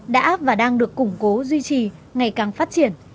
đã và đang được củng cố duy trì ngày càng phát triển